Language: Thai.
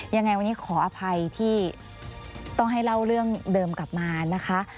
ยังไงวันนี้ขออภัยที่ต้องให้เล่าเรื่องเดิมกลับมานะคะ